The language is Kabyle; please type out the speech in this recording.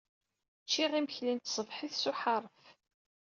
Ččiɣ imekli n tṣebḥit s uḥaṛef.